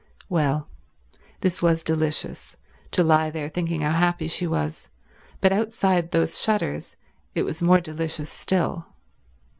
Well, this was delicious, to lie there thinking how happy she was, but outside those shutters it was more delicious still.